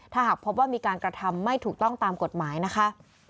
ถ้าหากพบว่ามีการกระทำไม่ถูกต้องตามกฎหมายนะคะ